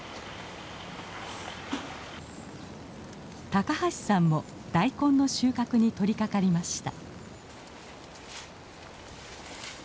高橋さんも大根の収穫に取りかかりました。